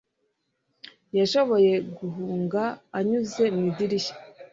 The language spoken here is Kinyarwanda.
Yashoboye guhunga anyuze mu idirishya.